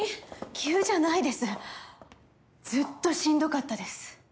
急じゃないですずっとしんどかったです。